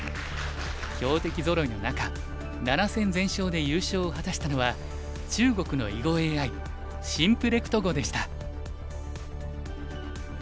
強敵ぞろいの中７戦全勝で優勝を果たしたのは中国の囲碁ＡＩなんと